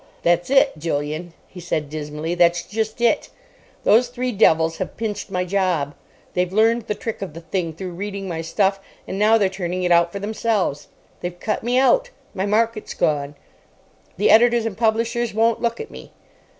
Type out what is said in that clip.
"That's it, Julian," he said dismally; "that's just it. Those three devils have pinched my job. They've learned the trick of the thing through reading my stuff, and now they're turning it out for themselves. They've cut me out. My market's gone. The editors and publishers won't look at me.